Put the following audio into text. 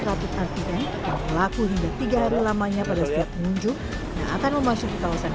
rapid antigen yang berlaku hingga tiga hari lamanya pada setiap pengunjung yang akan memasuki kawasan